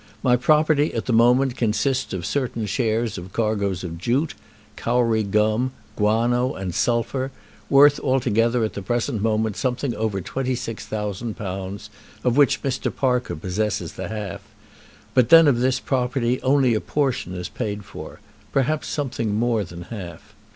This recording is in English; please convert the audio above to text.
My property at this moment consists of certain shares of cargoes of jute, Kauri gum, guano, and sulphur, worth altogether at the present moment something over £26,000, of which Mr. Parker possesses the half; but then of this property only a portion is paid for, perhaps something more than a half.